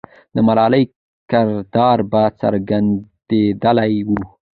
د ملالۍ کردار به څرګندېدلی وو.